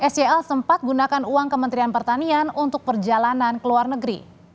sel sempat gunakan uang kementerian pertanian untuk perjalanan ke luar negeri